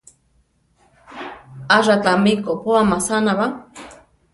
Acha tami kopóa masana ba?